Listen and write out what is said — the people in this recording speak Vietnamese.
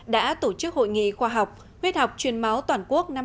đã tổ chức hội nghị khoa học huyết học truyền máu toàn quốc năm hai nghìn một mươi sáu